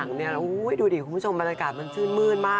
อันนี้เปลี่ยนชุดอีกแล้วนะ